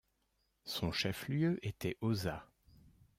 Son chef-lieu était Hozat.